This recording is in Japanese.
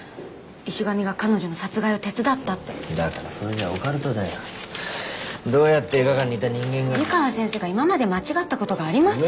石神が彼女の殺害を手伝ったってだからそれじゃオカルトだよどうやって映画館にいた人間が湯川先生が今まで間違ったことがありますか？